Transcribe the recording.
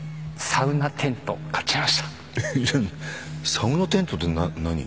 サウナテントって何？